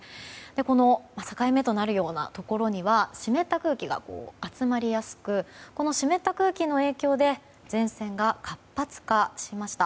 この境目となるようなところには湿った空気が集まりやすく湿った空気の影響で前線が活発化しました。